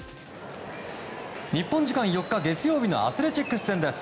日本時間４日、月曜日のアスレチックス戦です。